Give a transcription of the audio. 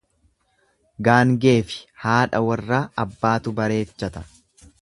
Gaangeefi hadha warraa abbaatu bareechata.